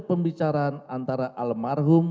pembicaraan antara almarhum